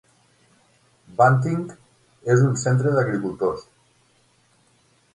Banting és un centre d'agricultors.